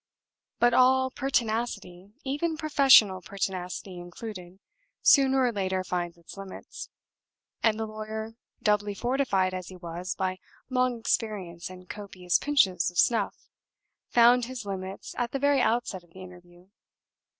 But all pertinacity even professional pertinacity included sooner or later finds its limits; and the lawyer, doubly fortified as he was by long experience and copious pinches of snuff, found his limits at the very outset of the interview.